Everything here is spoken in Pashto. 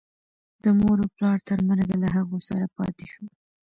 د مور و پلار تر مرګه له هغو سره پاتې شو.